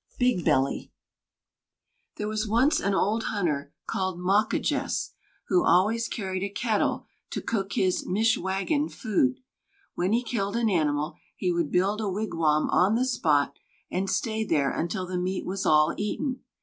BIG BELLY There was once an old hunter called "Mawquejess," who always carried a kettle to cook his "michwāgan," food. When he killed an animal, he would build a wigwam on the spot, and stay there until the meat was all eaten.